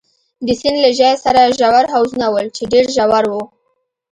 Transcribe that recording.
د سیند له ژۍ سره ژور حوضونه ول، چې ډېر ژور وو.